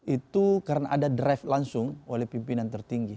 itu karena ada drive langsung oleh pimpinan tertinggi